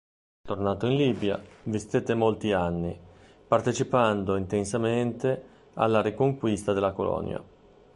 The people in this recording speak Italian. Tornato in Libia, vi stette molti anni, partecipando intensamente, alla riconquista della Colonia.